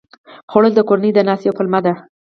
خوړل د کورنۍ د ناستې یوه پلمه ده